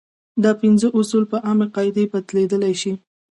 دا پنځه اصول په عامې قاعدې بدلېدلی شي.